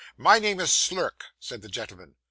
'My name is Slurk,' said the gentleman.